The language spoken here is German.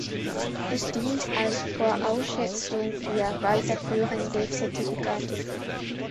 Es dient als Voraussetzung für weiterführende Zertifikate.